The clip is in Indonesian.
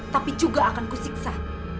tapi juga akan kusiksa